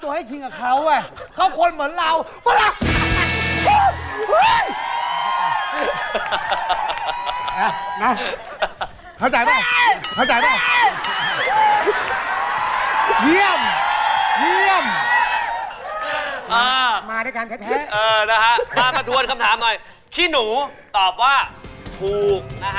เดี๋ยวมาสำรมคะแนนกันดีกว่านะครับ